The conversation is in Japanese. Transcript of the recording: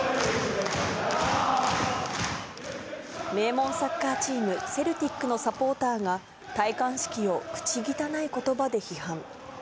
名門サッカーチーム、セルティックのサポーターが、戴冠式を口汚いことばで批判。